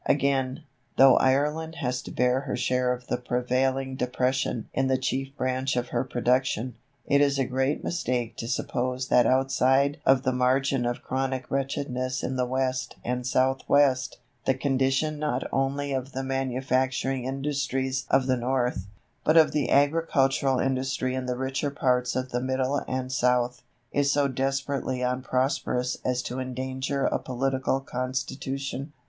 Again, though Ireland has to bear her share of the prevailing depression in the chief branch of her production, it is a great mistake to suppose that outside of the margin of chronic wretchedness in the west and south west, the condition not only of the manufacturing industries of the north, but of the agricultural industry in the richer parts of the middle and south, is so desperately unprosperous as to endanger a political constitution.